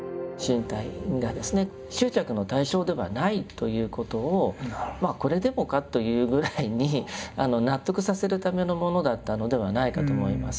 ということをこれでもかというぐらいに納得させるためのものだったのではないかと思います。